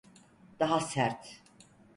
Daha sert.